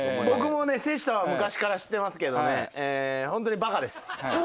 僕もね瀬下は昔から知ってますけどねホントにバカです。